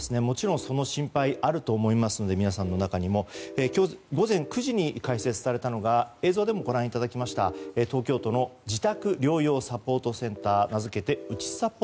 もちろん、その心配があると思いますので今日午前９時に開設されたのが映像でもご覧いただきました東京都の自宅療養サポートセンター名付けてうちさ